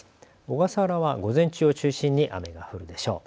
小笠原は午前中を中心に雨が降るでしょう。